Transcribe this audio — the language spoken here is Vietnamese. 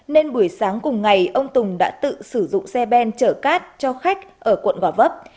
nên buổi sáng cùng ngày ông tùng đã tự sử dụng xe ben chở cát cho khách ở quận gò vấp